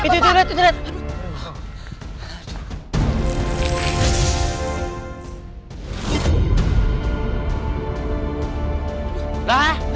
itu itu itu